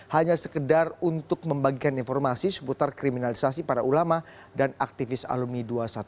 hanya sekedar untuk membagikan informasi seputar kriminalisasi para ulama dan aktivis alumni dua ratus dua belas